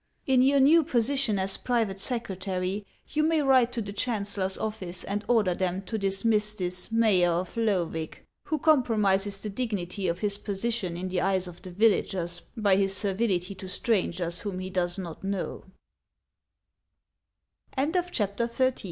In your new posi tion as private secretary, you may write to the chancellor's office and order them to dismiss this mayor of Loevig, who compromises the dignity of his position in the eyes of the villagers by his servility to strangers whom he d